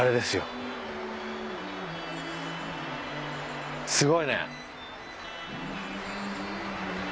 すごいね。